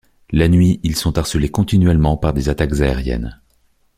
La nuit ils sont harcelés continuellement par des attaques aériennes.